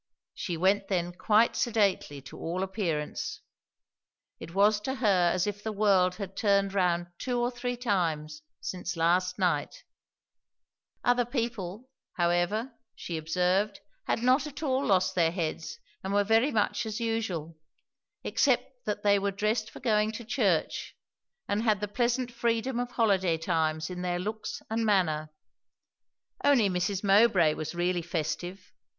She went then quite sedately to all appearance. It was to her as if the world had turned round two or three times since last night; other people, however, she observed, had not at all lost their heads and were very much as usual; except that they were dressed for going to church, and had the pleasant freedom of holiday times in their looks and manner. Only Mrs. Mowbray was really festive.